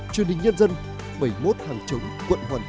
truyền hình nhân dân bảy mươi một hàng chống quận hoàn kiếm thành phố hà nội